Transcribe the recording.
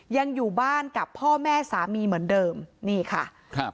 ยังอยู่บ้านกับพ่อแม่สามีเหมือนเดิมนี่ค่ะครับ